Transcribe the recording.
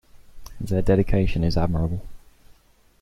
Their dedication is admirable.